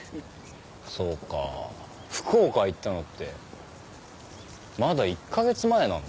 そうか福岡行ったのってまだ１か月前なんだな。